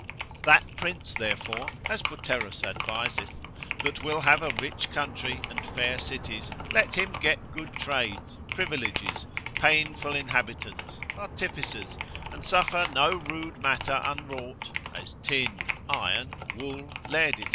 That prince therefore as, Boterus adviseth, that will have a rich country, and fair cities, let him get good trades, privileges, painful inhabitants, artificers, and suffer no rude matter unwrought, as tin, iron, wool, lead, &c.